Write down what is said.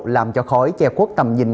làm cho khói che quốc tầm nhìn